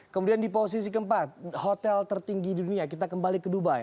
kemudian di posisi keempat hotel tertinggi di dunia kita kembali ke dubai